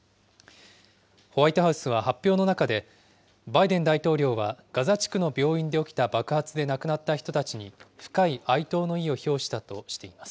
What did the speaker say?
ホワイトハウスは発表の中で、バイデン大統領は、ガザ地区の病院で起きた爆発で亡くなった人たちに深い哀悼を意を表したとしています。